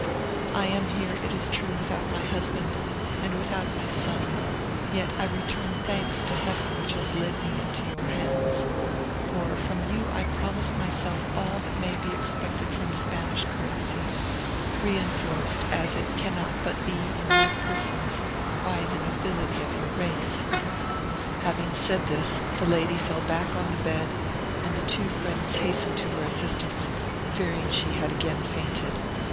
I am here, it is true, without my husband, and without my son; yet I return thanks to Heaven which has led me into your hands—for from you I promise myself all that may be expected from Spanish courtesy, reinforced, as it cannot but be in your persons, by the nobility of your race." Having said this, the lady fell back on the bed, and the two friends hastened to her assistance, fearing she had again fainted.